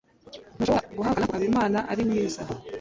ntushobora guhakana ko habimana ari mwiza